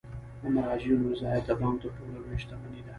د مراجعینو رضایت د بانک تر ټولو لویه شتمني ده.